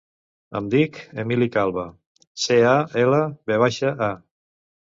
Em dic Emily Calva: ce, a, ela, ve baixa, a.